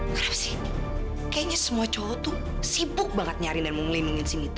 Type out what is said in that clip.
kenapa sih kayaknya semua cowok tuh sibuk banget nyari dan mau ngelindungin si mita